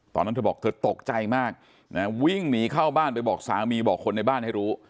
ตอนนั้นเธอบอกเธอตกใจมากนะวิ่งหนีเข้าบ้านไปบอกสามีบอกคนในบ้านให้รู้